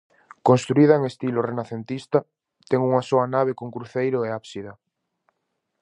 Construída en estilo renacentista, ten unha soa nave con cruceiro e ábsida.